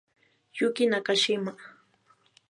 Yuki Nakashima